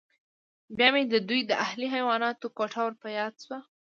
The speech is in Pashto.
بیا مې د دوی د اهلي حیواناتو کوټه ور په یاد شوه